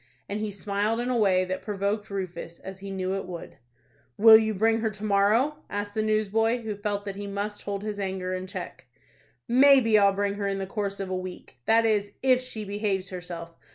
and he smiled in a way that provoked Rufus, as he knew it would. "Will you bring her to morrow?" asked the news boy, who felt that he must hold his anger in check. "Maybe I'll bring her in the course of a week; that is, if she behaves herself.